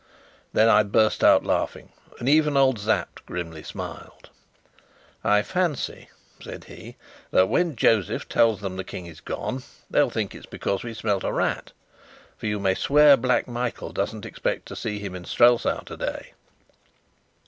Then I burst out laughing, and even old Sapt grimly smiled. "I fancy," said he, "that when Josef tells them the King is gone they'll think it is because we smelt a rat. For you may swear Black Michael doesn't expect to see him in Strelsau today."